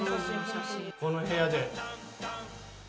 この部屋で。